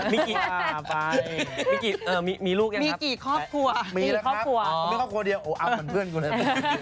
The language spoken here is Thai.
แม่แม่แม่ไม่